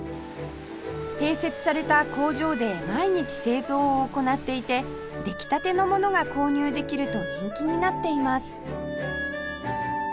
併設された工場で毎日製造を行っていて出来たてのものが購入できると人気になっています